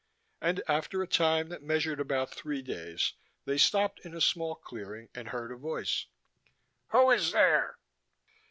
And after a time that measured about three days they stopped in a small clearing and heard a voice. "Who is there?"